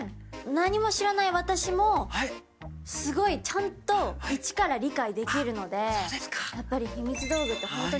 何も知らない私もすごいちゃんとイチから理解できるのでやっぱりそうですね